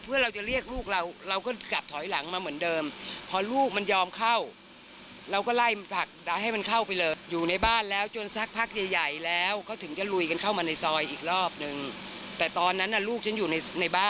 ไปฟังเสียงคุณแม่อีกทีหนึ่งนะครับ